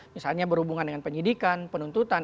misalnya berhubungan dengan penyidikan penuntutan